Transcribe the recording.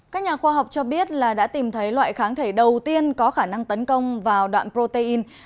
các nhà khoa học cho biết là đã tìm thấy loại kháng thể đầu tiên có khả năng tấn công vào đoạn protein